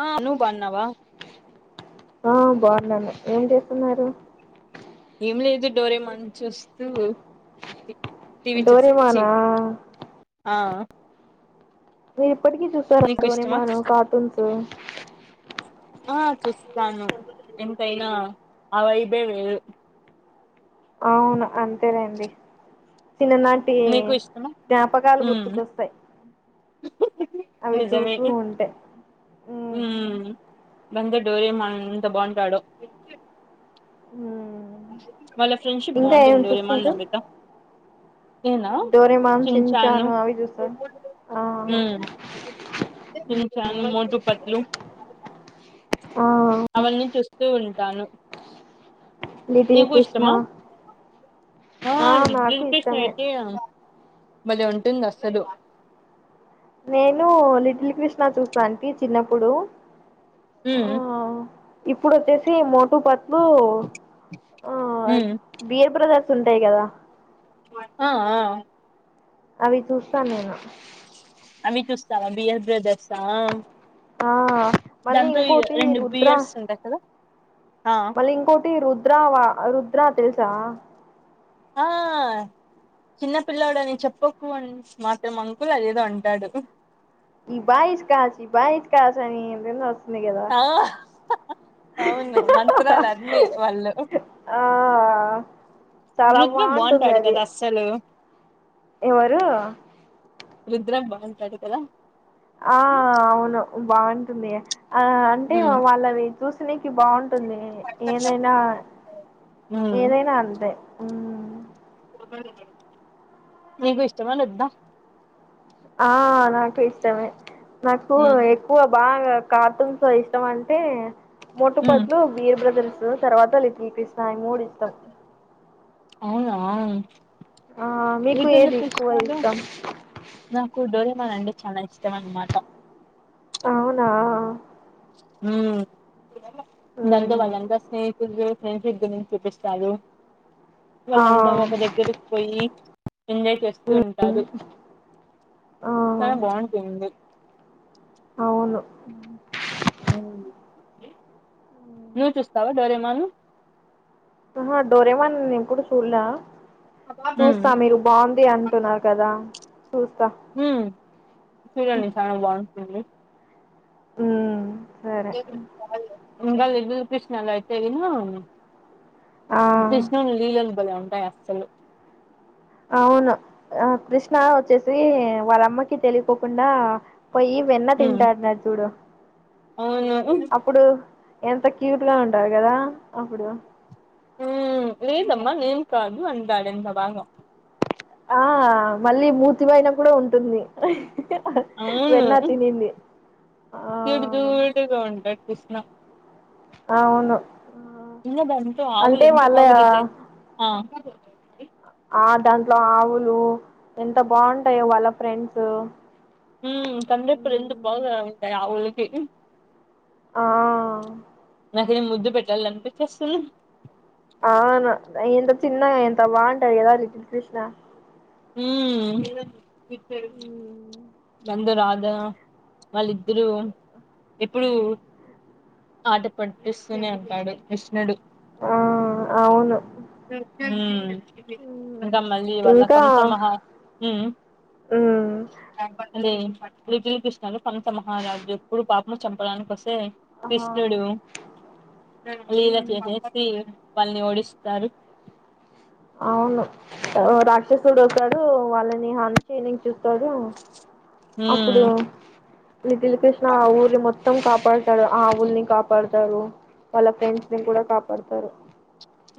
ఆ నూ బన్నవా ఆ బాగున్నాను ఏం చేస్తున్నారు. ఏం లేదు డోరే మాన్ చూస్తూ టీవీ చూస్ డోరేమాన్ చి ఆ మీరు ఇప్పటికీ చూస్తారా నీకు ఇష్టమా డోరేమాన్ కార్టూన్స్ [unintelligible] ఆ చూస్తాను ఎంతైనా ఆవైబే వేరు అవును. అంతేనండి. చిన్ననాటి నీకు ఇష్టమా జ్ఞాపకాలు ఉమ్ గుర్తుకొస్తాయి. అవి నిజమే చూస్తూ ఉంటే బండ డోరేమాన్ ఎంత బాగుంటాడో హ్మ్ వాళ్ళ ఫ్రెండ్షిప్ బాగుంటుందిళమన నంబత డోరే మాన్ చించాను ఆవి జూ స ఆ ఉమ్ రటుపట్లు ఆ అవన్నీ చూస్త తూ ఉంటాను లిటిల్ నీకు కృష్ణ ఇష్టమా ఆ నాకు [unintelligible] ఇష్టమ ఇష్టమే అయితే బలే ఉంటుంది అసలు నేను లిటిల్ కృష్ణా చూసా అంటీ చిన్నప్పుడు మ్ఉ ఆ ఇప్పుడు ఒచ్చేసి మోటు పత్ బో అ ఉమ్ బియర్ బ్రద స్ ఉంటాయి కదా ఆ ఆ అవి చూస్తాను నేను అమి చూస్తావా బియస్ బ్రదర్సా ఆ మళ్ళీ ఇంకోటి రెండు రుద్ర బియర్స్ ఉంటాయి కదా ఆ మళ్ళీ ఇంకోటి రుద్రవా రుద ఆ తెలుసా ఆ చిన్న పిల్లడుని చెప్పకు అ మాత్రం అంకుల్ అదేదో అంటాడు ఈ బైష్ కాచ్చ ఈ బైస్ కాచ్చని వి ఆ హ్ హహహహఅవును మంత్రాలు అన్నీ వాళ్ళు ఆ చాలా వృదు్ర బాఉంటాడు కదా అస్సలు ఎవరూ రుద్ర బాఉంటాడు కదా ఆ అవును బాఉంటుంది ఆ అంటే ఉమ్ వాళ్ళవి చూసి బాఉం ఉంటుంది ఏదైనా ఉమ్ ఏదైనా అంతే నీకూ ఇష్టమా లద్దా ఆ నాకు ఇష్టమే నాకు ఉమ్ ఎక్కువ బాగా కాటూన్స్ అ ఇష్టం అంటే మోటూ ఉమ్ పత్లు వీర బ్రదర్ తు తర్వాత లిటిల్ కృష్ణా యి మూడు ఇష్టం అవునా ఆ మీకు లిటిల్ ఏది ఎక్కువ కృష్ణలో ఇస్తాం నాకు డోరేమాన్ చాలా ఇష్టం అనమాట అవునా మ్ నందలు మ్మ్ అలందా స్నేహితులు నద్ద నం [unintelligible] కష్టాలు ఆ వాళ్ళంతా ఒక దగ్గరకు పోయి ఎంజాయ్ చేస్తూ మ్మ్. ఉంటారు ఆ క బాగుంటుంది అవును ఆ నువ్వు చూస్తావా డోరేమాలు ఒహొ డోరేమన్ నిను కూడ చూల్ల ఉమ్ చూస్తా మీరు బాగుంది అంటున్నారు కదా చూస్తా హ్మ్ చూడండి చాలా బాగుంటుంది ఊ దేకుడు ఇంకాచాల్లె ఇంగా లిటిల్ కృష్ణ లొ అయితే గిన ఆ కృష్ణుని లీలలు బలే [unintelligible] లు అవును ఆ కృష్ణ వచ్చేసి వాళ్ళమ్మకి తెలియకోకుండా పోయి వెన్న ఉమ్ తింటన్నాడు చూడు అవును ఉమ్ అప్పుడు ఎంత క్యూట్ గా ఉంటారు కదా అప్పుడు ఉ లేద్ లేమ్మా నేన్ తాగి అంథడింత [unintelligible] వాగ ఆ మళ్ళీ మూతి మీదన కూడా ఉంటుంది అహ్హ వెన్న తినింది ఆ క్యూట్ క్యూట్ గా ఉంటాడు కృష్ణ అవును ఇంగా దానికి ఆవులు అంటే ఎంత వాళ్ళ [unintelligible] ఆ దాంట్లో ఆవులు ఎంత బాగుంటాయో వాళ్ళ ఫ్రెండ్స్ ఉ కండ్రెఎప్పులు ఎంత బాగా ఆ యావులకి ఆ నాకేం ముద్దు పెట్టాలి అనిపించేస్తుంది అవును ఎంత చిన్నగా ఎంత బాగుంటాది కదా లిటిల్ కృష్ణ హ్మ్ నంద రాధా వాళ్ళిద్దరు ఎప్పుడు ఆట పట్టిస్తూనే అంటాడు కృష్ణుడు ఓ అవును హ్మ్ ఇంకా మళ్ళీ వాళ్ళ ఇంకా కంచ మహా హ్మ్ మ్మ్ ఉమ్ లిటిల్ కృష్ణని కాంస మహారాజు ఎప్పుడు పాపము చంపడానికి వసు హ్మ్ ఆ కృష్ణుడు లీల మ్మ్ చేసేసి వాళ్ళది ఓడిస్. తరుక్. అవును, రాక్షసుడు వస్తాడు, వాళ్ళని హాంసి ని, చూ. ఉమ్ అప్పుడు. లిటిల్ కృష్ణ, ఆ ఊరిని మొత్తం, కాప. పాడుతారు, ఆవుల్ని కాపాడతారు, వాళ్ళ ఫ్రెండ్స్ ని కూడా, కాపాడుతారు.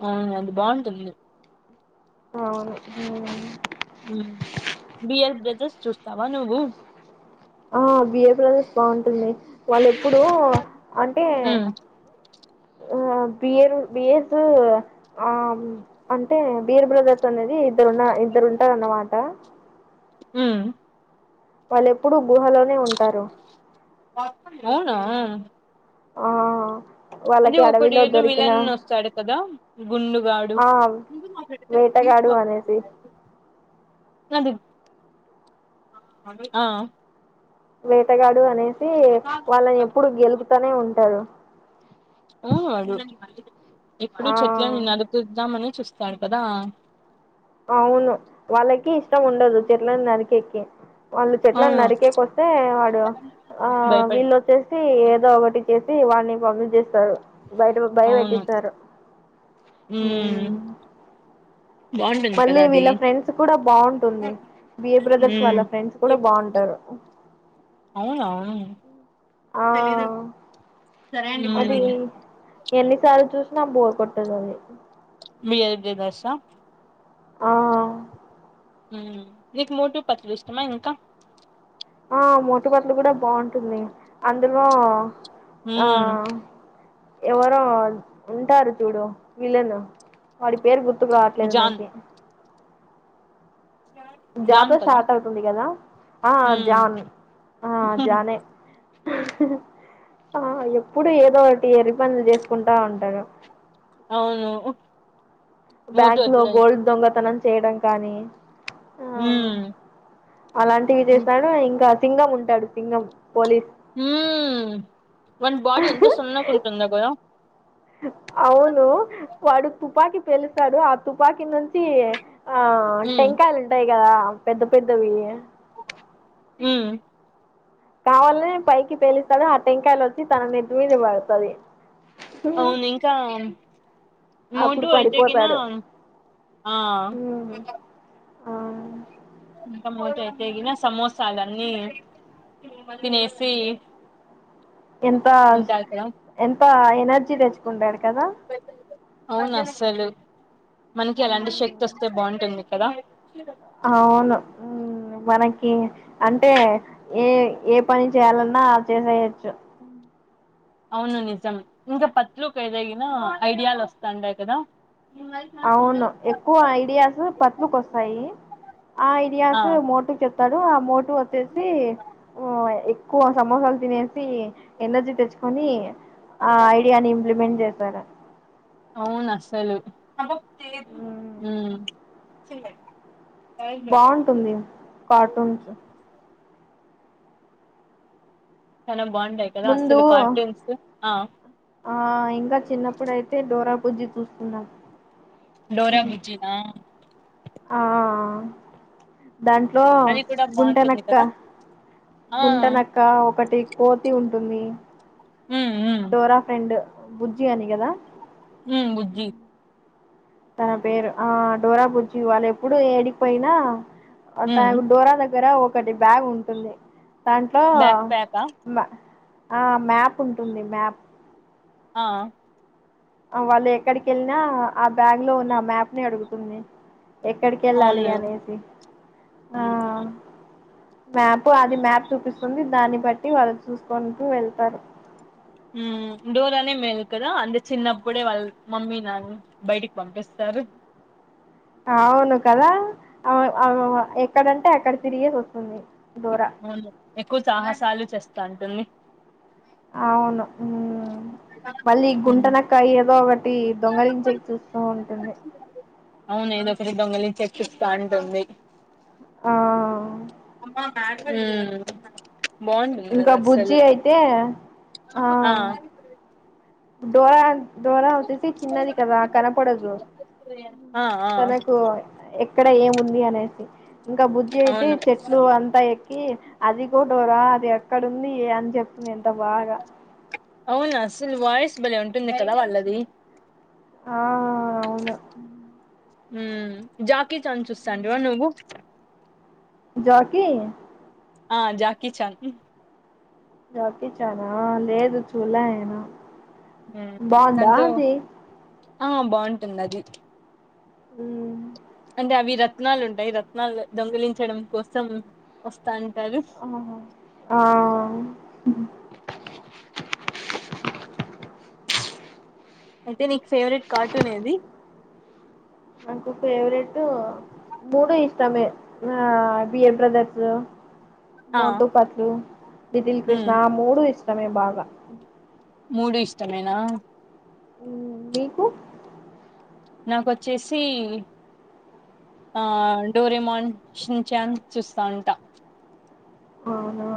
అవును, అది బాట్టుంది. అవును, ఉమ్. ఉమ్. బియర్ బ్రదర్స్ చూస్తావా, నువ్వు. ఆ బిఏ సె ల్ బాటుంది. వాళ్ళ ఎప్పుడూ. అంటే. ఉమ్ ఆ బియర్, బియస్, ఆ అంటే, బియర్ బ్రదర్. అనేది ఇద్దరున్న, ఇద్దరు ఉంటారు, అన్నమాట. ఉమ్. వాళ్ళెప్పుడూ, గుహలోనే ఉంటారు. అవున. ఆ. అదే వాళ్ళకి ఒకడు అడవిలో ఏదో, దొరికిన విలన్ వస్తాడు కదా. గుండుగాడు. ఆ వేటగాడు అనేసి ఆ. వేటగాడు, అనే. ఉమ్ వాళ్ళని ఎప్పుడు, గెలుపుతానే ఉంటడు. అ ఎప్పుడు చెట్ల నీ నరికిద్దామని. చుస్తాడు కదా. అవును, వాళ్ళకి ఇష్టం ఉండదు, చెట్లను నరికె. ఓకే. వాళ్ళు చెట్లను అవును నరికేపొతే, వాడు, ఆ భయపడి వీళ్ళొచ్చేసి, ఏదో ఒకటి చేసి. [unintelligible] బయట, అవును బయపెటిస్తారు ఉమ్. బాగుంటుంది మళ్ళీ కదా అది వీళ్ళ ఫ్రెండ్స్ కూడా బాటుంది, బి బ్రదర్స్ వాళ్ళ ఉమ్ ఫ్రెండ్స్ కూడా బాటరు, అవునా ఉమ్ ఆ అది ఎన్నిసార్లు చుసి. నాకు బోర్ కొట్టలేదు. మీ ఎ దష. ఆ. నీకు, మొటు పత్లు ఇష్టమా, ఇంకా. ఆ మొటుపత్లు కూడా, బాటుంది. అందులో. ఆ. ఉమ్ ఎవరో ఉంటారు చూడు విలన్ వాడి పేరు గుర్తు గుర్తుకు రావట్లేదు జాన్ నాకి జాన్ జాతర కదా స్టార్ట్ అవుతుంది కదా ఆ హ్మ్ జాన్ ఆ జానే ఆ ఎప్పుడు ఏదో ఒకటి ఎర్రిపనులు చేసుకుంటా ఉంటాడు. అవును హు బ్యాంక్ లో గోల్డ్ దొంగతనం చేయడం కానీ ఆ హ్మ్ అలాంటివి హ్మ్ చేసాడు ఇంకా సింగం ఉంటాడు సింగం పోలీస్ హు వాని బాడి ఎంత సన్నగా ఉంట తుందో కదా అవును వాడు తుపాకీ పేలుస్తాడు ఆ తుపాకీ నుంచి ఆ హ్మ్ టెంకాయలు ఉంటాయి గదా పెద్ద పెద్దవీ హు కావాలనే పైకి తేలిస్తాడు ఆ టెంకాయలు వచ్చి తన నెత్తి మీద పడతది. అవును ఇంకా మోటు అప్పుడు అయితే గీన పడిపోతాడు ఆ అ ఇంక మోటు అయితేగిన సమోసాలన్నీ తినేసి ఎంత ఉంటారు కదా ఎంత ఎనర్జీ తెచ్చుకుంటాడు కదా అవును అస్సలు మనకి అలాంటి శక్తి ఉమ్. వస్తే బాగుంటుంది. కదా అవును మనకి అంటే ఏ ఏ పని చేయాలన్నా చేసేయొచ్చు. అవును నిజం ఇంకా పత్లు అయితే గిన ఐడియాలు వస్తాంటాయి గదా అవును ఎక్కువ ఐడియాస్ పత్లు కు వస్తాయి. ఆ ఆ ఐడియాస్ మోటు చెప్ వస్తాడు ఆ మోటు వచ్చేసి హు ఎక్కువ సమోసాలు తినేసి ఎనర్జీ తెచ్చుకొని ఆ ఐడియాని ఇంప్లిమెంట్ చే సరే అవునా అసలు మ్మ్. హు [unintelligible] బాగుంటుంది కార్టూన్స్ [unintelligible] బాంటై కదా ముందు అస్సలు కార్టూన్స్ ఆ ఆ ఇంకా చిన్నప్పుడుయితే డోరా బుజ్జి చూస్తున్నాం డోరా బుజ్జి నా ఆ దాంట్లో అది కూడా బాగుంటుంది గుంటనక్క కదా ఆ గుంటనక్క ఒకటి కోతి ఉం టుంది ఉమ్ ఉమ్ డోరా ఫ్రెండ్ బుజ్జి అని గదా ఉమ్ బుజ్జి తన పేరు ఆ డోరా బుజ్జి వాళ్ళు ఎప్పుడు ఏడికిపోయినా ఉమ్ పట్టాగు డోరా దగ్గర ఒకటి బ్యాగ్ ఉంటుంది దాంట్లో బ్యాక్ ప్యాకా మా ఆ మ్యాప్ ఉంటుంది మ్యాప్ ఆ ఆ వాళ్ళు ఎక్కడికెళ్ళినా ఆ బ్యాగ్ లో ఉన్న ఆ మ్యాప్ ని అడుగుతుంది ఎక్కడికి వెళ్ళాలి అవును అనేసి ఆ ఉమ్ మ్యాప్ అది మ్యాప్ చూపిస్తుంది దాన్ని బట్టి వాళ్ళు చూసుకుంటూ వెళ్తారు ఉమ్ డోరా నే మేలు కదా అంటే చిన్నప్పుడే వాళ్ళ మమ్మీ నాన్న బయటికి పంపిస్తారు అవును కదా ఆ ఎక్కడంటే అక్కడ తిరిగేసి వస్తుంది డోరా అవును ఎక్కువ సాహసాలు చేస్తా స్తంటోంది అవును ఉమ్ మళ్ళీ ఉమ్ గుంటంనక్క ఏదో ఒక టి దొంగలించేకి చూస్తూ ఉంటుంది తాంట ఉంది ఆ అమ్మా మ ఉమ్ బాగుంటుంది ఇంకా అది బుజ్జి అస్సలు అయితే ఆ డోరా డోరా వచ్చేసి చిన్నది కదా కనపడదు ఆ ఆ తనకు ఎక్కడ ఏముంది అనేసి ఇంకా బుజ్జి అయితే అవును చెట్లు అంతా ఎక్కి అది గో డోరా అది ఎ అక్కడ ఉంది అని చెప్తుంది ఎంత బాగా అవును అసలు వాయిస్ భలే ఉంటుంది కదా వాళ్ళది ఆ అవును ఉమ్ జాకీచాన్ చూస్తంటివా నువ్వు జాకి ఆ జాకి చాన్ జకీ చానా లేదు చుళ్ళ్య నేను హ్మ్. బందా దాంతో అది ఆ బాగుంటుంది అది ఉ అంటే అవి రత్నాలు ఉంటాయి రత్నాలు దొంగలించడం కోసం వస్తా అంటారు అహహ ఆ ఉ అయితే నీకు ఫేవరెట్ కార్టూన్ ఏది నాకు ఫేవరెట్ మూడు ఇష్టమే ఆ బియర్ బ్రదర్స్ ఆ మోటు పత్లు లిటిల్ కృష్ణ మ్మ్ ఆ మూడు ఇష్ తమమయం బాగా మూడు ఇష్టమేనా మ్ మీకు నాకోచ్చేసి ఆ డోరేమాం సించన్ చూస్తా ఉంటా అవునా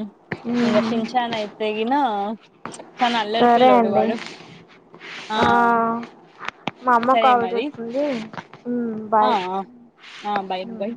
మ్ ఇంగ హ్మ్. సింఛాన్ ఐతేగిన సరే అండి ఆ మా అమ్మ సరే కాల్ మరి చేస్తుంది హ్మ్. ఆ బాయ్ ఆ అ బై హ్మ్. బై